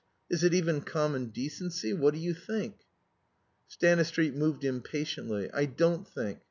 Is it even common decency? What do you think?" Stanistreet moved impatiently. "I don't think.